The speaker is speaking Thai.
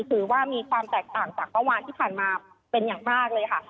ถือว่ามีความแตกต่างจากเมื่อวานที่ผ่านมาเป็นอย่างมากเลยค่ะ